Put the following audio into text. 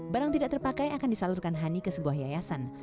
barang tidak terpakai akan disalurkan hani ke sebuah yayasan